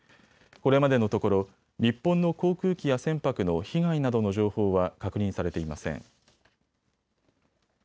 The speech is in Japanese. これまでのところ日本の航空機や船舶の被害などの情報は確認されていません。